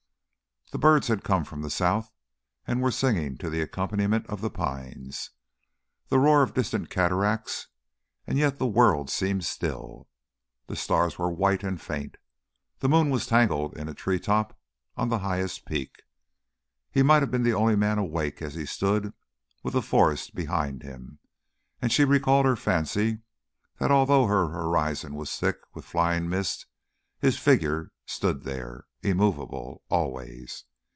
The birds had come from the South and were singing to the accompaniment of the pines, the roar of distant cataracts; and yet the world seemed still. The stars were white and faint; the moon was tangled in a treetop on the highest peak. He might have been the only man awake as he stood with the forest behind him, and she recalled her fancy that although her horizon was thick with flying mist his figure stood there, immovable, always.